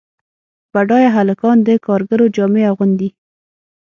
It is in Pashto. بډایه هلکان د کارګرو جامې اغوندي.